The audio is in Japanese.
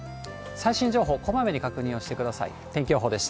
最新情報、こまめに確認をしてください。